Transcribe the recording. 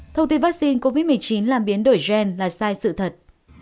thông tin vaccine covid một mươi chín làm biến đổi gen là sai sự thật